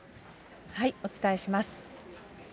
お伝えします。